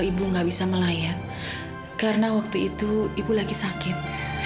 ibu gak bisa melayat karena waktu itu ibu lagi sakit